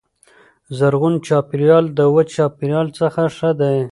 زرغون چاپیریال د وچ چاپیریال څخه ښه دی.